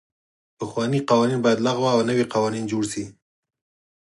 پخواني قوانین باید لغوه او نوي قوانین جوړ سي.